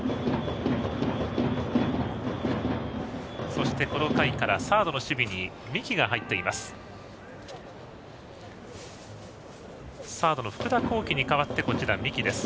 そしてこの回からサードの守備に三木が入っています。